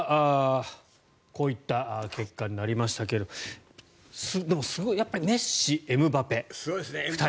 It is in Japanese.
こういった結果になりましたけれどもでも、やっぱりメッシ、エムバペ、２人。